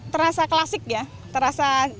terasa klasik ya terasa